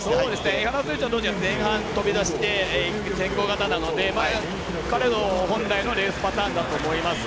江原選手は前半飛び出す先行型なので彼の本来のレースパターンだと思います。